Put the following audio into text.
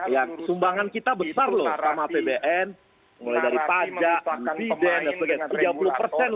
ya sumbangan kita besar loh sama apbn mulai dari pajak biden dan sebagainya